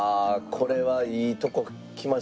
これはいいとこ来ましたね。